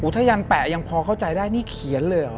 ถ้ายันแปะยังพอเข้าใจได้นี่เขียนเลยเหรอ